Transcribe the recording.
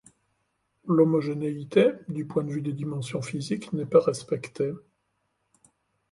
L'homogénéité, du point de vue des dimensions physiques, n'est pas respectée.